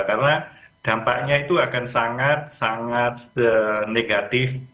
karena dampaknya itu akan sangat sangat negatif